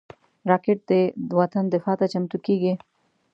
راکټ د وطن دفاع ته چمتو کېږي